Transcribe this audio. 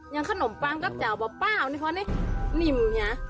ยังขนมพังด้วยเจาห์ป่ะปส่วนลำนิดนึงเนี่ย